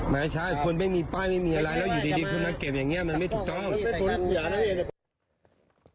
ไม่ใช่คนไม่มีป้ายไม่มีอะไรแล้วอยู่ดีคุณมาเก็บอย่างเงี้มันไม่ถูกต้อง